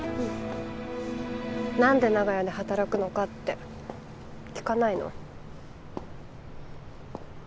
なんで長屋で働くのかって聞かないの？